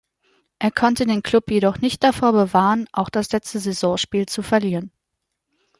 Er konnte den Klub jedoch nicht davor bewahren, auch das letzte Saisonspiel zu verlieren.